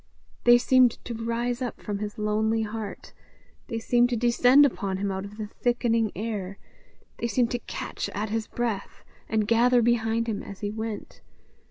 They seemed to rise up from his lonely heart; they seemed to descend upon him out of the thickening air; they seemed to catch at his breath, and gather behind him as he went.